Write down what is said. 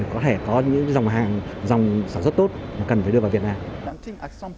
có thể có những dòng hàng dòng sản xuất tốt mà cần phải đưa vào việt nam